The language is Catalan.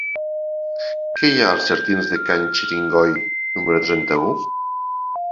Què hi ha als jardins de Can Xiringoi número trenta-u?